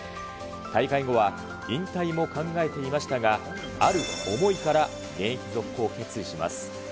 大会後は引退も考えていましたが、ある思いから現役続行を決意します。